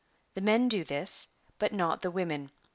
The men do this, but not the women.'